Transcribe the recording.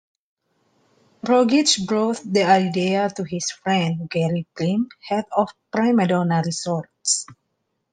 Rogich brought the idea to his friend, Gary Primm, head of Primadonna Resorts.